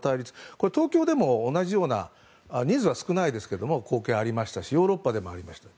これ、東京でも同じような人数は少ないですが光景がありましたしヨーロッパでもありました。